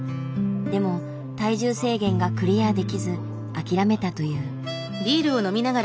でも体重制限がクリアできず諦めたという。